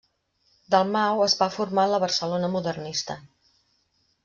Dalmau es va formar en la Barcelona modernista.